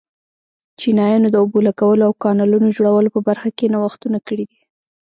چینایانو د اوبو لګولو او کانالونو جوړولو په برخه کې نوښتونه کړي وو.